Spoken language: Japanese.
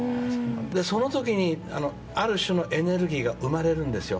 その時にある種のエネルギーが生まれるんですよ。